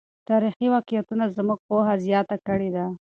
تاریخي واقعیتونه زموږ پوهه زیاته کړې ده.